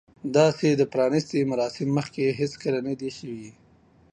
داسې د پرانیستې مراسم مخکې هیڅکله نه دي شوي.